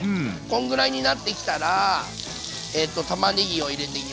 こんぐらいになってきたらたまねぎを入れていきます。